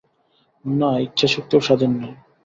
না, ইচ্ছাশক্তিও স্বাধীন নয়।